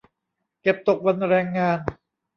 เก็บตกวันแรงงาน